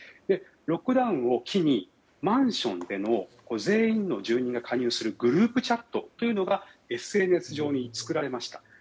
ロックダウンを機にマンションで全員の住人が加入するグループチャットというものがＳＮＳ上に作られました。